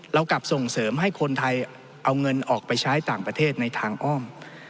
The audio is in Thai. เรากลับส่งเสริมให้คนไทยเอาเงินออกไปใช้ต่างประเทศในทางอ้อม